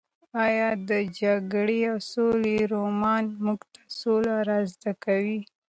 ایا د جګړې او سولې رومان موږ ته سوله را زده کوي؟